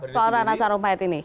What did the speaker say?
soal rana sarumpait ini